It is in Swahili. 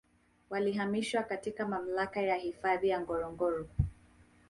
Walihamishiwa katika Mamlaka ya hifadhi ya Ngorongoro